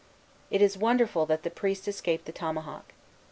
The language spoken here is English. It is wonderful that the priests escaped the tomahawk.